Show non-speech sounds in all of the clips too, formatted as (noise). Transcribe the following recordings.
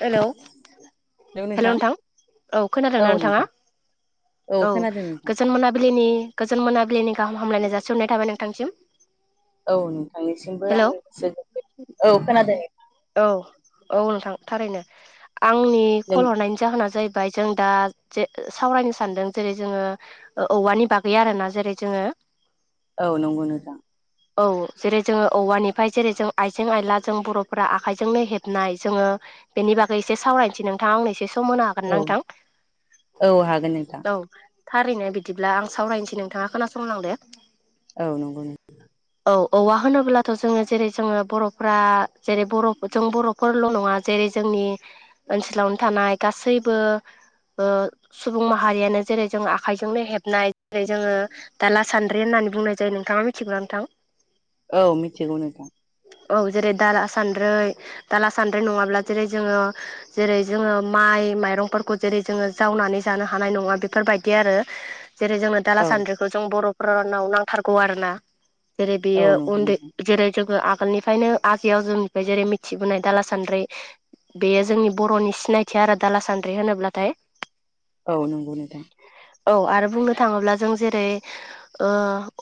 Hello hello नोंथां औ खोनादोंना नोंथाङा? औ खोनादों नोंथां गोजोन मोनाबिलिनि गोजोन मोनाबिलिनि गाहाम हामलायनाय जासिहरनाय थाबाय नोंथांसिम। औ नोंथांनिसिमबो हेलौ आंनि गोसो गोरबोनि औ खोनादों। औ औ नोंथां थारैनो आंनि नों कल हरनायनि जाहोना जाहैबाय जों दा जे सावरायनो सानदों जेरै जोङो औवानि बागै आर ना जेरै जोङो औ नंगौ नोंथां औ जेरै जोङो औवानिफ्राय जेरै जों आइजें आइला जों बर' आखाइजोंनो हेबनाय जोङो बेनि बागै एसे सावरायनोसै नोंथाङा आंनो एसे सम होनो हागोन औ हागोनना औ हागोन नोंथां नोंथां? थारैनो बिदिब्ला आं सावरायनोसै नोंथाङा खोनासंलांदो। औ नंगौ न औ औवा होनोब्लाथ' जोङो जेरै जोङो बर'फ्रा जेरै बर' जों बर'फोरल' नङा जेरै जोंनि ओनसोलावनो थानाय गासैबो ओ सुबुं माहारियानो जेरै जोंङ आखाइजोंनो हेबनाय जेरै जोङो दाला सान्द्रि होननानै बुंनाय जायो नोंथाङा मिथिगौना नोंथां? औ मिथिगौ नोंथां औ जेरै दाला सान्द्रै दाला सान्द्रै नङाब्ला जेरै जोङो- जेरै जोङो माइ माइरंफोरखौ जेरै जोङो जावनानै जानो हानाय नङा बेफोरबायदि आरो। जेरै जोंनो दाला औ सान्द्रिखौ जों बर'फोरनाव नांथारगौ आरो ना। जेरै औ बेयो नंगौ उन्दै नोंथां जेरै जोङो आगोलनिफ्रायनो आजै आजौ जेरै मिथिबोनाय दाला सान्द्रि बेयो जोंनि बर'नि सिनायथि आरो दाला सान्द्रि होनोब्लाथाय औ नोंगौ नोंथां औ आरो बुंनो थाङोब्ला जों जेरै ओ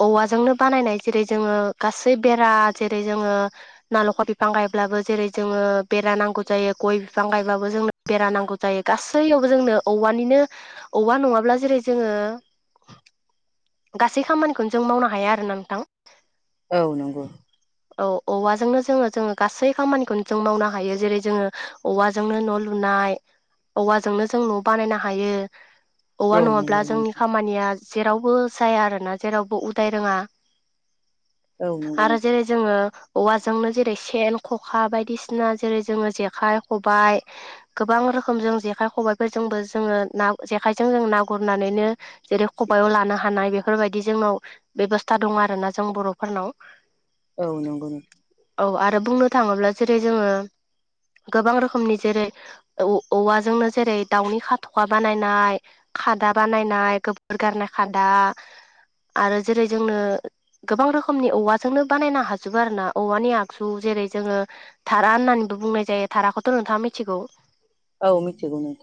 औवाजोंनो बानायनाय जेरै जोङो गासै बेरा जेरै जोङो नालेखर बिफां गायब्लाबो जेरै जोङो बेरा नांगौ जायो गय बिफां गायब्लाबो जोंनो बेरा नांगौ जायो गासैयावबो जोंनो औवानिनो औवा नङाब्ला जेरै जोङो गासै खामानिखौनो जों मावनो हाया आरो ना नोंथां औ नोंगौ औ औवाजोंनो जोङो जोङो गासै खामानिखौनो जों मावनो हायो जेरै जोङो औवाजोंनो न लुनाय औवाजोंनो जों न बानायनो हायो औवा औ नङाब्ला नंगौ जोंनि नोंथां खामानि निया जेरावबो जाया आरो ना जेरावबो उदाय रोङा औ नंगौ आरो नोंथां जेरै जोङो औवाजोंनो जेरै सेन खखा बायदिसिना जेरै जोङो जेखाइ खबाय गोबां रोखोम जों जेखाइ खबाइफोरजोंबो जोङो ना जेखायजों जों ना गुरनानैनो जेरै खबायाव लानो हानाय बेफोरबायदि जोंनाव बेबस्था दं आरोना जों बर फोरनाव औ नंगौ नों औ आरो बुंनो थाङोब्ला जेरै जोङो गोबां रोखोमनि जेरै औ औवाजोंनो जेरै दाउनि खाथाखआ बानायनाय खादा बानायनाय गोबोर गारनाय खादा आरो जेरै जोंङो गोबां रोखोमनि औवाजोंनो बानायनो हाजोबो आरो ना औवानि आख जु जेरै जोङो धारा होननानैबो बुंनाय जायो धाराखौथ नोंथाङा मिथिगौ औ मिथिगौ नों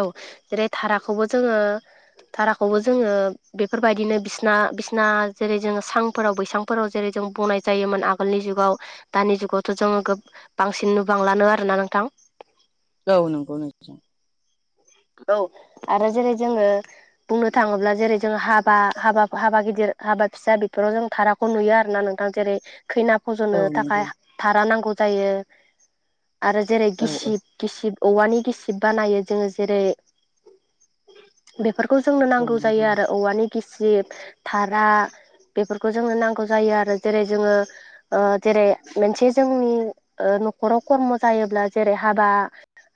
औ जेरै थाराखौबो जोङो थाराखौबो जोङो बेफोरबायदिनो बिसना बिसना जेरै जोङो सांफोराव बैसां फोराव जेरै जों बनाय जायोमोन आगोलनि जुगाव दानि जुगावथ' जोङो गोब बांसिन नुबांलानो आरोना नोंथां औ नंगौ नोंथां औ आरो जेरै जोङो बुंनो थाङोब्ला जेरै जों हाबा हाबा हाबा गिदिर हाबा फिसा बेफोराव जों थारा खौ नुयो आरो ना नोंथां जेरै खैना औ फजनो नंगौ थाखाय थारा नांगौ जायो आरो जेरै औ गिसिब गिसिब औवानि गिसिब बानायो जोङो जेरै बेफोरखौ जोंनो औ नांगौ जायो आरो औवानि गिसिब थारा बेफोरखौ जोंनो नांगौ जायो आरो जेरै जोङो ओ जेरै मोनसे जोंनि ओ नखराव खर्म जायोब्ला जेरै हाबा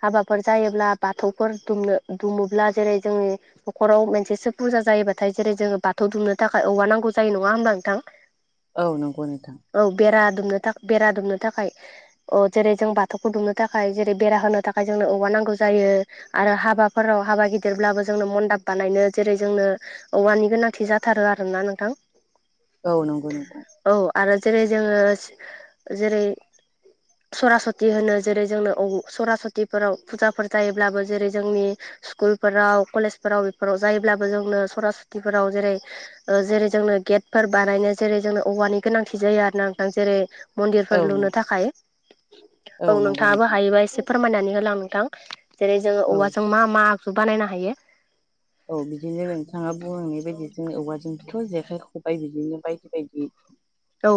हाबाफोर जायोब्ला बाथौफोर दुमनो दुमोब्ला जेरै जोंनि नखराव मोनसेसो फुजा जायोबाथाय जेरै जोङो बाथौ दुमनो थाखाय औवा नांगौ जायो नङा हबा नोंथां? (inaudible) औ नंगौ नोंथां औ बेरा दुमनो थाख बेरा दुमनो थाखाय अ जेरै जों बाथौखौ दुमनो थाखाय जेरै बेरा होनो थाखाय जोंनो औवा नांगौ जायो आरो हाबाफोराव हाबा गिदिरब्लाबो जोंनो मन्दाप बानायनो जेरै जोंनो औवानि गोनांथि जाथारो आरोना नोंथां औ नंगौ नोंथां औ आरो जेरै जोङो जेरै सरासति होनो जेरै जोंनो औ सरासतिफोराव फुजाफोर जायोब्लाबो जेरै जोंनि स्कुलफोराव कलेजफोराव बेफोराव जायोब्लाबो जोंनो सरासथिफोराव जेरै ओ जेरै जोंनो गेटफोर बानायनो जेरै जोंनो औवानि गोनांथि जायो आरो ना नोंथां जेरै मन्दिरफोर औ नंगौ लुनो थाखाय नोंथां औ औ नंगौ औ नंगौ नोंथाङाबो नोंथां हायोबा एसे फोरमायनानै होलां नोंथां जेरै जोङो औ औवाजों मा मा आगजु बानायनो हायो औ बिदिनो नोंथाङा बुंलांनाय बायदि जों औवाजोंथ' जेखाइ खबाय बिदिनो बायदि बायदि औ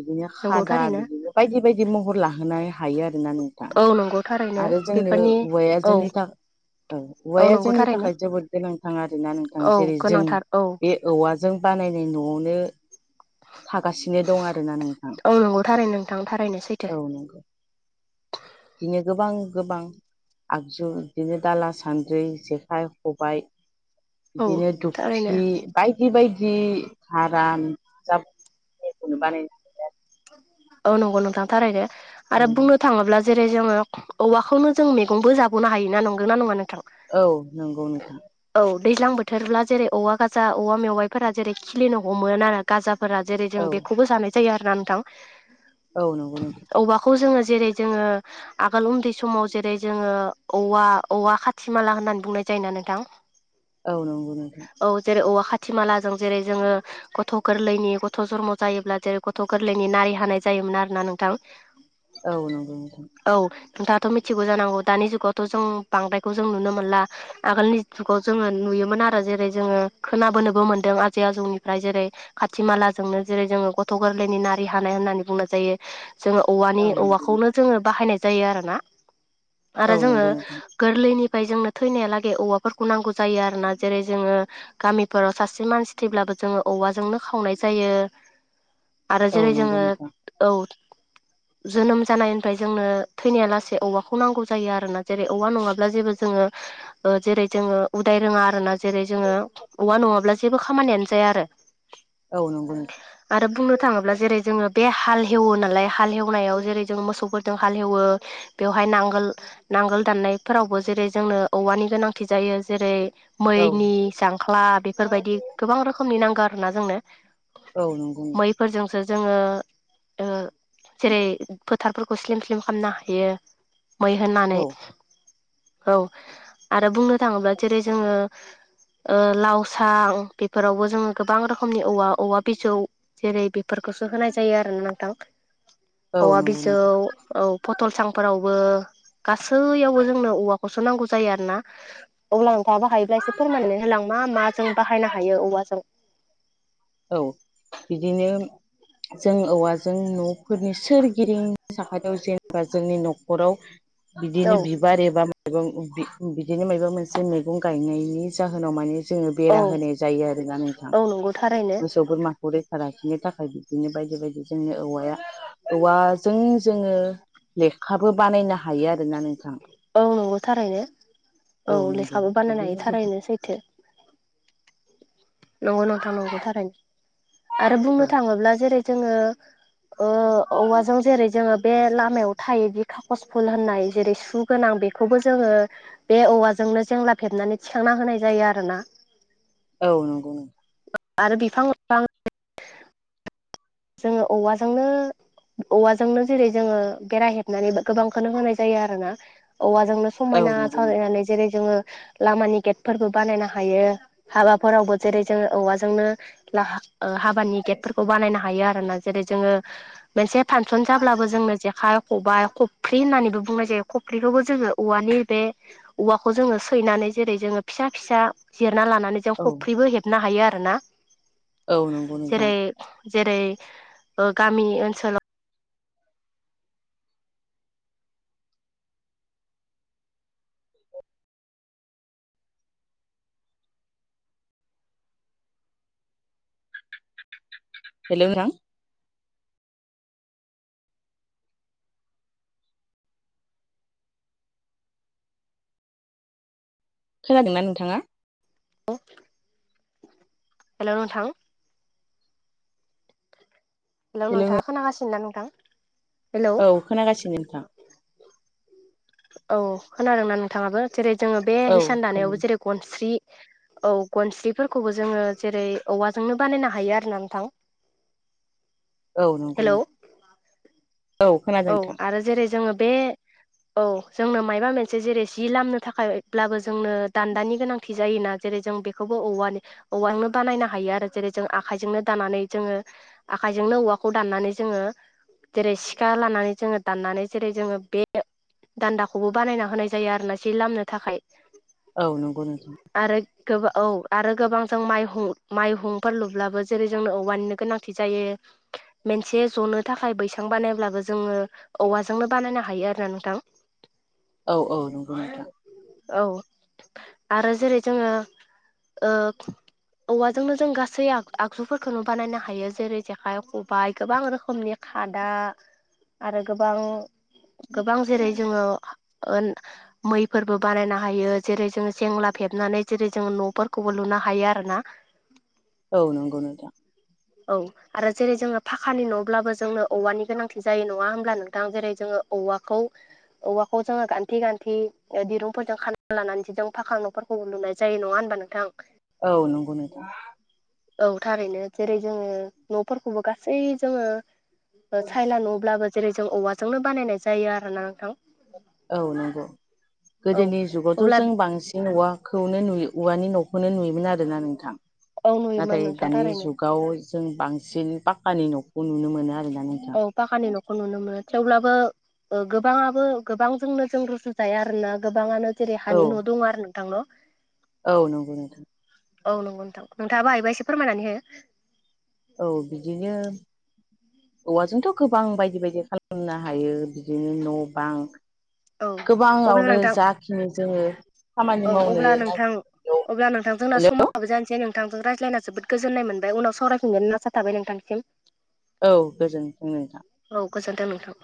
बिदिनो नंगौ खादा थारैनो बिदिनो बायदि बायदि महर लाहोनो हायो आरोना नोंथां औ नंगौ थारैनो आरो जोंनो बेफोरनि औवाया औ जोंनि थाखाय औ औवाया नंगौ जोंनि थारैनो थाखाय जोबोद नोंथाङा आरोना नोंथां औ जेरै जों गोनांथार औ बे औवाजों बानायनाय न'आवनो थागासिनो दं आरोना नोंथां औ नंगौ थारै नोंथां थारैनो सैथो औ नंगौ बिदिनो गोबां गोबां आगजु बिदिनो दाला सान्द्रि जेखाइ ख बाय औ बिदिनो थारैनो दुखि बायदि बायदि हारा ज बानाय औ नंगौ नोंथां थारैनो आरो औ बुंनो थाङोब्ला जेरै जोङो औवाखौनो जों मैगंबो जाबावनो हायो ना नंगौ ना नङा नोंथां औ नंगौ नोंथां औ दैज्लां बोथोरब्ला जेरै औवा गाजा औवा मेवाइफोरा जेरै खिलिनो हममोना गाजाफोरा जेरै औ जों बेखौबो जानाय जायो आरो ना नोंथां औ नंगौ नंगौ खौ जोङो जेरै जोङो आगोल उन्दै समाव जेरै जोङो औवा औवा खाथि माला होननानै बुंनाय जायोना नोंथां (inaudible) औ नंगौ नोंथां औ जेरै औवा खाथि माला जों जेरै जोङो गथ' गोरलैनि गथ' जनम' जायोब्ला जेरै गथ' गोर गोरलैनि नारि हानाय जायोमोन आरो ना नोंथां औ नंगौ नंगौ औ नोंथाङाथ' मिथिगौ जानांगौ दानि जुगावथ' जों बांद्रायखौ जों नुनो मोनला आगोलनि जुगाव जोङो नुयोमोन आरो जेरै जोङो खोनाबोनोबो मोनदों आजै आजौनिफ्राय जेरै खाथि मालाजोंनो जेरै जोङो गथ' गोरलैनि नारि हानाय होननानै बुंनाय जायो जोङो औवानि औ नंगौ औवाखौनो जोङो बाहायनाय जायो आरोना औ आरो जोङो नंगौ नोंथां गोरलैनिफ्राय जोंनो थैनायालागै औवाफोरखौ नांगौ जायो आरोना जेरै जोङो गामिफोराव सासे मानसि थैब्लाबो जोङो औवाजोंनो खावनाय जायो आरो औ जेरै नंगौ जोङो नोंथां औ जोनोम जानायनिफ्राय जोंनो थैनाया लासे औवाखौ नांगौ जायो आरोना जेरै औवा नङाब्ला जेबो ज जोङो ओ जेरै जोङो उदाय रोङा आरोना जेरै जोङो औवा नङाब्ला जेबो खामानियानो जाया आरो औ नंगौ नोंथां आरो बुंनो थाङोब्ला जेरै जोङो बे हाल हेवो नालाय हाल हेवनायाव जेरै जोंङो मोसौफोर हालहेवो बेवहाय नांगोल नांगोल दाननायफोरावबो जेरै जोंनो औवानि गोनांथि जायो जेरै औ मैनि जांख्ला बेफोरबायदि गोबां रोखोमनि नांगो आरो ना जोंनो औ नंगौ नोंथां फोरजों सो जोङो ओ जेरै फोथारफोरखौ स्लिम स्लिम खालामनो हायो मै होननानै औ औ आरो बुंनो थाङोब्ला जेरै जोङो ओ लावसां बेफोरावबो जोङो गोबां रोखोमनि औवा औवा बिजौ जेरै बे फोरखौसो होनाय जायो आरो ना नोंथां औ औवा नंगौ बिजौ नोंथां औ पथलसांफोरावबो गासैयावबो जोंनो औवाखौसो नांगौ जायो आरो ना अब्ला नोंथाङा बाहायोब्ला एसे फोरमानानै होलां मा मा जों बाहायनो हायो औवाजों औ बिदिनो जों औवाजों न'फोरनि सोरगिदिंनि साखाथियाव जेनेबा जोंनि न'खराव औ बिदिनो बि बारि एबा मैगं बिदिनो मायबा माबा मोनसे मैगं गायनायनि जाहोनाव माने जोङो औ बेरा होनाय जायो आरो गामि नोंथां। औ नंगौ थारैनो। मोसौ बोरमाखौ रैखा लाखिनो थाखाय बिदिनो बायदि बायदि जोंनि औवाया औवाजों जोङो लेखाबो बानायनो हायो आरोना नोंथां। औ नंगौ थारैनो औ नंगौ लेखाबो बानायनो बिदिनो हायो थारैनो सैथो। नंगौ नोंथां नंगौ थारैनो आरो बुंनो गोबां थाङोब्ला जेरै जोङो औवाजों जेरै जोङो बे लामायाव थायोदि कागस फुल होननाय जेरै सुगोनां बेखौबो जोङो बे औवाजोंनो जेंला फेबनानै थिखांना होनाय जायो आरोना औ नंगौ। आरो बिफां लाफां जोङो औवाजोंनो औवाजोंनो जेरै जोङो बेर हेबनानै गोबांखौनो होनाय जायो आरो ना औवाजोंनो औ समायना नंगौ नोंथां सावरायनानै जेरै जोङो लामानि गेटफोरबो बानायनो हायो हाबाफोरावबो जेरै जोंङो औवाजोंनो ओ हाबानि गेटफोरखौ बानायनो हायो आरो ना जेरै जोङो मोनसे फांसन जाब्लाबो जोंनो ज खाइ खबाइ खफ्रि होननानैबो बुंनाय जायो खफ्रिखौबो जोङो औवानि बे औवाखौ जोङो सैनानै जेरै जोङो फिसा फिसा जिरना लानानै जों औ खफ्रिबो हेबनो हायो आर ना औ नंगौ नोंथां जेरै जेरै गामि ओनसोलाव हेल नोंथां। खोनादों ना नोंथाङा? औ हेल' नोंथां हेलौ नोंथाङा खोनागासिनोना नोंथां? हेलौ औ खोनागासिनो नोंथां। औ खोनादों ना नोंथाङाबो जेरै जोङो बे औ हिसान दानायावबो खोनादों जेरै गनस्रि औ गनस्रिफोरखौबो जोङो जेरै औवाजोंनो बानायनो हायो आर ना नोंथां। औ नंगौ हेलौ नों औ आरो जेरै जोङो बे औ जोंनो मायबा मोनसे जेरै जि लामनो थाखाय ब्लाबो जोंनो दान्दानि गोनांथि जायोना जेरै जों बेखौबो औवानि औवाजोंनो बानायनो हायो आरो जेरै जों आखाइजोंनो दानानै जोङो आखायजोंनो औवाखौ दाननानै जोङो जेरै थिखा लानानै जोङो दाननानै जेरै जोङो बे दान्दाखौबो बानायना होनाय जायो आरो ना ए लामनो थाखाय औ नंगौ नोंथां। आरो गोब औ आरो गोबां जों माइ माइहुंफोर लुब्लाबो जेरै जोंनो औवानिनो गोनांथि जायो। मोनसे जनो थाखाय बैसां बानाय अब्लाबो जोङो औवाजोंनो बानायनो हायो आरोना नोंथां। औ औ नंगौ नोंथां औ आरो जेरै जोङो ओ औवाजोंनो जों गासै आगजुफोरखौनो बानायनो हायो जेरै जेखाइ खबाइ गोबां रोखोमनि खादा आरो गोबां गोबां जेरै जोङो मैफोरबो बानायनो हायो जेरै जोङो सेंला फेबनानै जेरै जोङो न'फोरखौबो लुनो हायो आरो ना औ नंगौ नोंथां औ आरो जेरै जोङो फाखानि न'ब्लाबो जोंनो औवानि गोनांथि जायो नङा होमब्ला नोंथां जेरै जोङो औवाखौ औवाखौ जोङो गान्थे गान्थे दिरुंफोरजों खाना लानानैसो जों फाखां न'फोर खौ लुनाय जायो नङा होनबा नोंथां औ नंगौ नोंथां औ थारैनो जेरै जोङो न'फोरखौबो गासै जोङो ओ थायला न'ब्लाबो जेरै जों औवाजोंनो बानायनाय जायो आरो ना नोंथां औ नंगौ औ गोदोनि जुगावथ' अब्ला जों बांसिन औवा खौनो नुयो औवानि न'खौनो नुयोमोन आरोना नोंथां औ नुयोमोन नाथाय नोंथां दानि थारैनो जुगाव जों बांसिन पाक्कानि न'खौ नुनो मोनो आरोना नों फाखानि न'खौ नुनो मोनो थेवब्लाबो ओ गोबाङाबो गोबांजोंनो जों रुजु जाया आरोना गोबाङानो जेरै औ हानि न' दं आरो नोंथांल' औ नंगौ औ नंगौ नोंथां नोंथाङा बाहाया एसे फोरमायनानै होयो औ बिदिनो औवाजोंथ' गोबां बायदि बायदि खालामनो हायो बिदिनो न' बां हो औ अब्ला गोबाङावनो नोंथां जाखियो जोङो खामानि औ मावनो अब्ला नोंथां नागिर अब्ला नोंथां जोंना हेलौ समाबो जानोसै नों नोंथांजों रायज्लायना जोबोद गोजोननाय मोनबाय उनाव सावरायफिनगोन नासा थाबाय नोंथांसिम औ गोजोनथों नोंथां औ गोजोनथों नोंथां